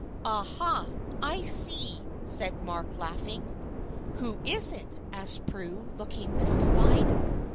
"Ah, ha, I see," said Mark, laughing. "Who is it?" asked Prue, looking mystified.